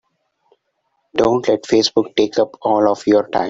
Don't let Facebook take up all of your time.